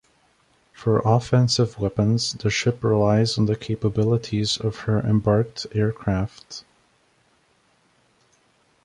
For offensive weapons, the ship relies on the capabilities of her embarked aircraft.